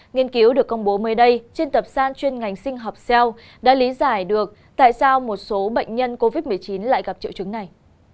nghiên cứu được công bố mới đây trên tập san chuyên ngành sinh học cell đã lý giải được tại sao một số bệnh nhân covid một mươi chín lại gặp triệu chứng này